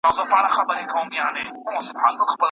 لمسیانو ته باید د موبایل له لارې پیغام ولېږل شي.